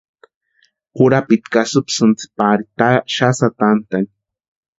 Urapiti kasïpisïnti pari taani xasï atantʼani.